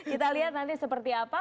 kita lihat nanti seperti apa